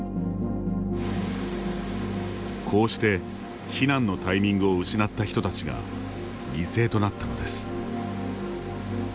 こうして、避難のタイミングを失った人たちが犠牲となったのです。